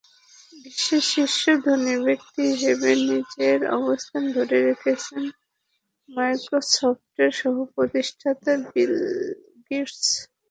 বিশ্বের শীর্ষ ধনী ব্যক্তি হিসেবে নিজের অবস্থান ধরে রেখেছেন মাইক্রোসফটের সহ-প্রতিষ্ঠাতা বিল গেটস।